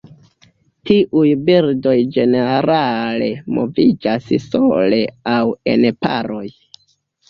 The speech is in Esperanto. Tiuj birdoj ĝenerale moviĝas sole aŭ en paroj.